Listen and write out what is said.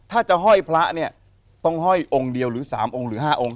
ถ้าจะห้อยพระเนี่ยต้องห้อยองค์เดียวหรือ๓องค์หรือ๕องค์